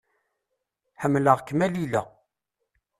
Ḥemmleɣ-kem a Lila.